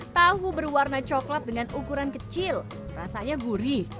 tahu berwarna coklat dengan ukuran kecil rasanya gurih